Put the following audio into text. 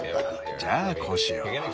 じゃあこうしよう。